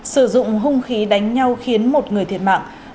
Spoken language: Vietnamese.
sử dụng hung khí đánh nhau khiến một người thiệt mạng